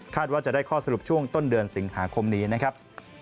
ว่าจะได้ข้อสรุปช่วงต้นเดือนสิงหาคมนี้นะครับ